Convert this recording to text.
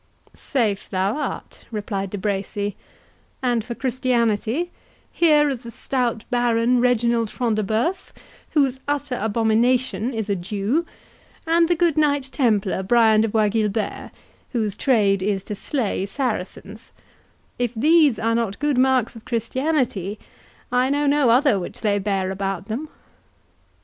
"Safe thou art," replied De Bracy; "and for Christianity, here is the stout Baron Reginald Front de Bœuf, whose utter abomination is a Jew; and the good Knight Templar, Brian de Bois Guilbert, whose trade is to slay Saracens—If these are not good marks of Christianity, I know no other which they bear about them."